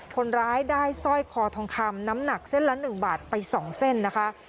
คนร้ายได้สร้อยคอทองคำน้ำหนักเส้นละ๑บาทไป๒เส้นนะคะ